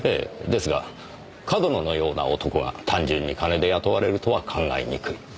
ですが上遠野のような男が単純に金で雇われるとは考えにくい。